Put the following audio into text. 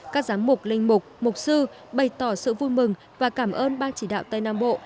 các giám mục linh mục mục sư bày tỏ sự vui mừng và cảm ơn ban chỉ đạo tây nam bộ